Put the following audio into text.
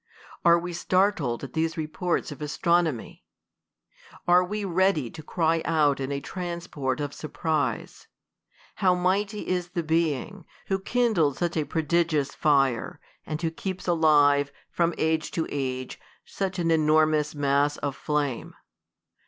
Are we startled at these reports of astronomy ? Arc we ready to cry out in a transport of surprise, How mighty is the Being, who kindled such a prodigious fire, and who keeps alive, from age to age, such an enormous mass of flame